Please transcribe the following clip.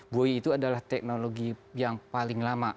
goi itu adalah teknologi yang paling lama